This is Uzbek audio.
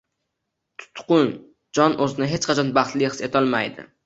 tutqun jon o‘zini hech qachon baxtli his etolmaydi